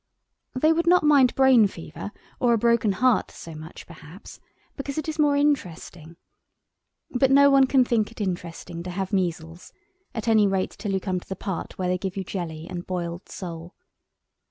They would not mind brain fever or a broken heart so much perhaps—because it is more interesting. But no one can think it interesting to have measles, at any rate till you come to the part where they give you jelly and boiled sole.